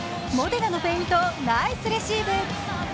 モデナのフェイントをナイスレシーブ。